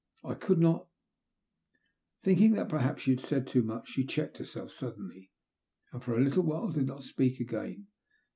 I could not " Thinking that perhaps she had said too much, she checked herself suddenly, and for a little while did not speak again.